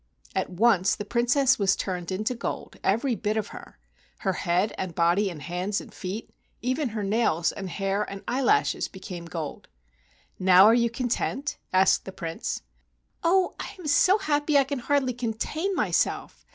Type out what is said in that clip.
At once the Princess was turned into gold, every bit of her — her head and body and hands and feet — even her nails and hair and eye¬ lashes became gold. "Now are you content?" asked the Prince. "Oh, I am so happy that I can hardly contain myself.